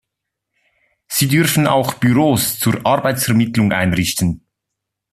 Sie dürfen auch Büros zur Arbeitsvermittlung einrichten.